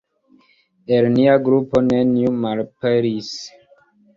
El nia grupo neniu malaperis!